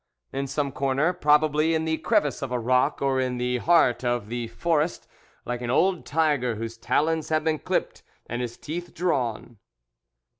In some corner, probably, in the crevice of a rock or in the heart of the forest, like an old tiger whose talons have been clipped and his teeth drawn.